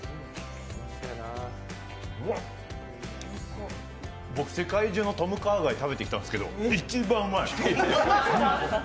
うわっ、僕、世界中のトムカーガイ食べてきたんですけど一番うまい！